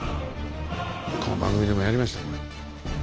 この番組でもやりましたね。